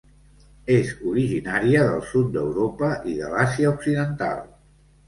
És originària del sud d'Europa i de l'Àsia occidental.